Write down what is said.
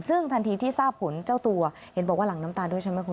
ซึ่งทันทีที่ทราบผลเจ้าตัวเห็นบอกว่าหลังน้ำตาด้วยใช่ไหมคุณ